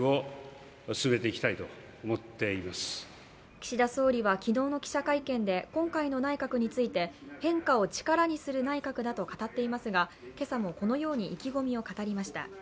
岸田総理は昨日の記者会見で今回の内閣について変化を力にする内閣だと語っていますが、今朝もこのように意気込みを語りました。